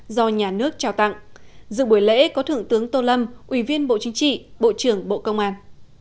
do nhà nước trao tặng dự buổi lễ có thượng tướng tô lâm ủy viên bộ chính trị bộ trưởng bộ công an